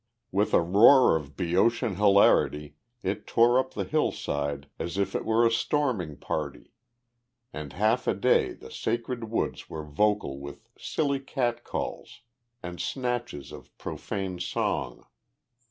With a roar of Boeotian hilarity, it tore up the hillside as if it were a storming party, and half a day the sacred woods were vocal with silly catcalls and snatches of profane song.